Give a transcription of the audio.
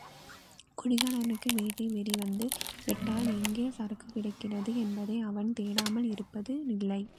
குடிகாரனுக்கு வேட்கை வெறி வந்து விட்டால் எங்கே சரக்குக்கிடைக்கிறது என்பதை அவன் தேடாமல் இருப்பது இல்லை.